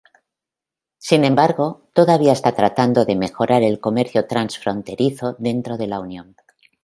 Sin embargo, todavía está tratando de mejorar el comercio transfronterizo dentro de la unión.